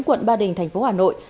quận ba đình tp hà nội